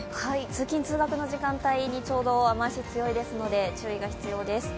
通勤・通学の時間帯にちょうど雨足が強いので注意が必要です。